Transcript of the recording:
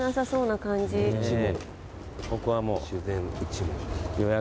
ここはもう。